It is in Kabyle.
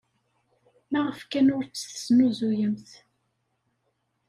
Maɣef kan ur tt-tesnuzuyemt?